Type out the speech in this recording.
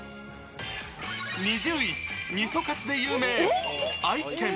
２０位、みそかつで有名、愛知県。